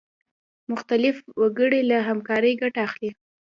مختلف وګړي له همکارۍ ګټه اخلي.